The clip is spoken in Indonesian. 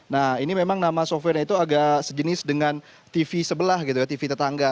nah ini memang nama software itu agak sejenis dengan tv sebelah gitu ya tv tetangga